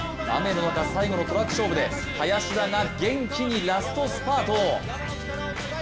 雨の中最後のトラック勝負で林田が元気にラストスパート。